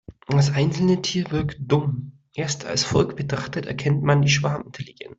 Das einzelne Tier wirkt dumm, erst als Volk betrachtet erkennt man die Schwarmintelligenz.